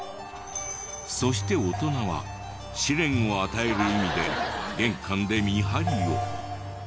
そして大人は試練を与える意味で玄関で見張りを。